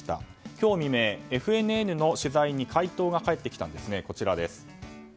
今日未明、ＦＮＮの取材に対して回答が返ってきたんですね。